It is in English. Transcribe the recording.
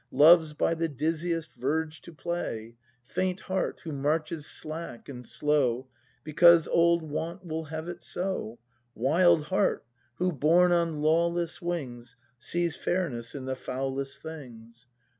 Loves by the dizziest verge to play, — Faint heart, who marches slack and slow, Because old Wont will have it so; — Wild heart, who, borne on lawless wings. Sees fairness in the foulest things